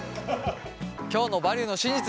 今日の「バリューの真実」